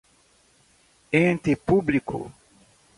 ente público